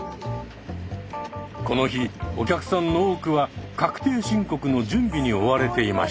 この日お客さんの多くは確定申告の準備に追われていました。